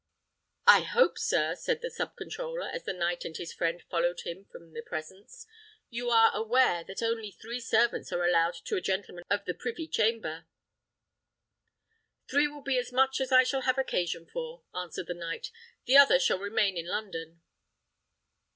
"I hope, sir," said the sub controller, as the knight and his friend followed him from the presence, "you are aware that only three servants are allowed to a gentleman of the privy chamber." "Three will be as much as I shall have occasion for," answered the knight; "the other shall remain in London."